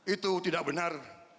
itu tidak benar